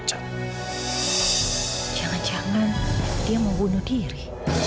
jangan jangan dia mau bunuh diri